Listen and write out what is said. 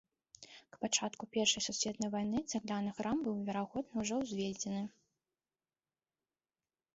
К пачатку першай сусветнай вайны цагляны храм быў, верагодна, ужо ўзведзены.